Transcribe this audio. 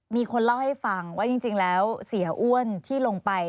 มีคนเล่าให้ฟังว่าจริงแล้วเสียอ้วนที่ลงไป